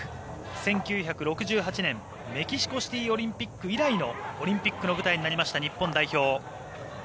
１９６８年メキシコシティオリンピック以来のオリンピックの舞台になりました日本代表。